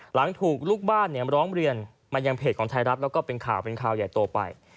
หลังถูกลูกบ้านร้องเรียนมายังเพจของไทยรัฐแล้วก็เป็นข่าวเป็นข่าวใหญ่โตไป